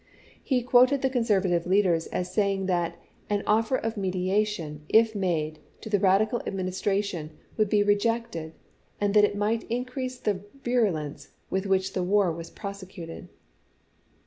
He quoted the conservative leaders as saying that "an offer of mediation, if made to the radical Administration, would be rejected, and that it might increase the virulence with which the war was prosecuted.